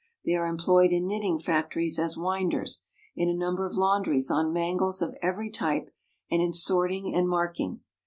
They are employed in knitting factories as winders, in a number of laundries on mangles of every type, and in sorting and marking.